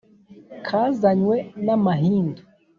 kazanywe n’amahindu